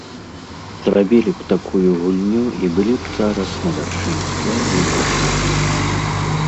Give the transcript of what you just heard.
Зрабілі б такую гульню і былі б зараз на вяршыні славы і пашаны.